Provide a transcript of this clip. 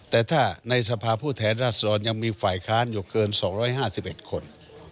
แต่ถ้าในสภาพผู้แทนราษฎรยังมีฝ่ายค้านอยู่เกิน๒๕๑คน